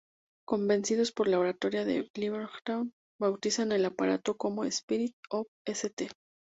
Convencidos por la oratoria de Lindbergh, bautizan al aparato como Spirit of St.